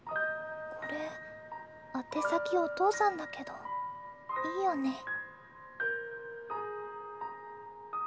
これ宛先お父さんだけどいいよね。